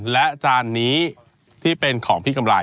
และจานนี้ของพี่กำไร